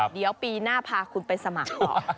เดี๋ยวปีหน้าพาคุณไปสมัครต่อ